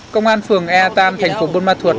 công an phường e ba thành phố bôn ma thuật